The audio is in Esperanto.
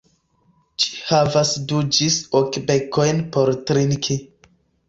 Ĝi havas du ĝis ok bekojn por trinki.